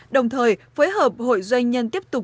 đồng thời phối hợp hội doanh nhân tp hcm tiếp tục